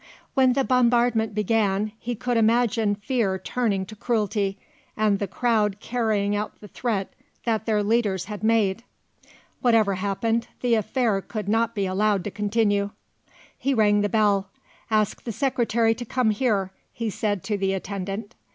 When the bombardment began he could imagine fear turning to cruelty, and the crowd carrying out the threat that their leaders had made. Whatever happened, the affair could not be allowed to continue. He rang the bell. "Ask the Secretary to come here," he said to the attendant.